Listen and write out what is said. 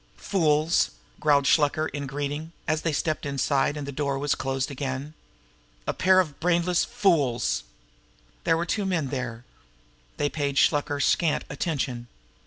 "Fools!" growled Shluker in greeting, as they stepped inside and the door was closed again. "A pair of brainless fools!" There were two men there. They paid Shluker scant attention.